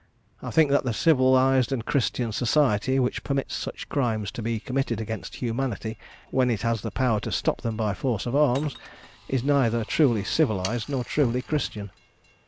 I think that the civilised and Christian Society which permits such crimes to be committed against humanity, when it has the power to stop them by force of arms, is neither truly civilised nor truly Christian."